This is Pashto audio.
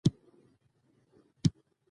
پالیسي مطلوبو اهدافو ته رسیدل رهبري کوي.